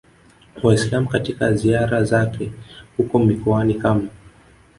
Waislam katika ziara zake huko mikoani kama